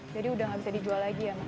jadi udah nggak bisa dijual lagi ya mas